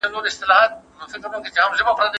زده کوونکي د ترافیکي نښو په اړه پوهیږي.